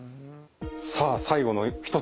さあ最後の一つ。